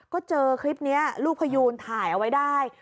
ก็เจอคลิปนี้ลูกพยูนถ่ายเอาไว้ได้